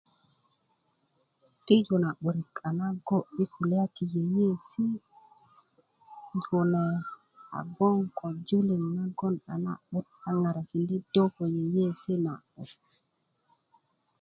tiju na 'börik a na go yi kulya ti yeyesi kune a gboŋ ko julin na'but a ŋarakindi do ko yeyesi na 'but